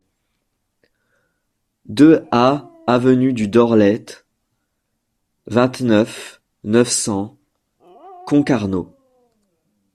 deux A avenue du Dorlett, vingt-neuf, neuf cents, Concarneau